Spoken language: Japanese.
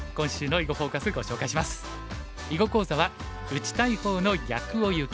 囲碁講座は「打ちたい方の逆をゆけ！」。